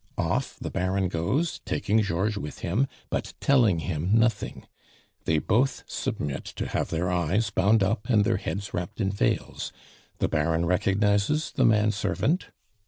Off the Baron goes, taking Georges with him, but telling him nothing. They both submit to have their eyes bound up and their heads wrapped in veils; the Baron recognizes the man servant.